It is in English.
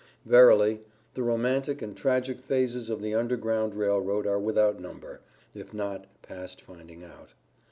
Verily, the romantic and tragic phases of the Underground Rail Road are without number, if not past finding out.